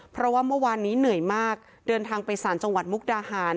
เพราะว่าเมื่อวานนี้เหนื่อยมากเดินทางไปสารจังหวัดมุกดาหาร